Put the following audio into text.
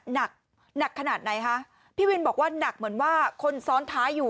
หนักหนักขนาดไหนคะพี่วินบอกว่าหนักเหมือนว่าคนซ้อนท้ายอยู่